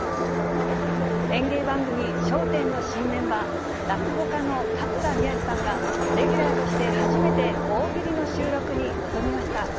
演芸番組、笑点の新メンバー、落語家の桂宮治さんが、レギュラーとして初めて大喜利の収録に臨みました。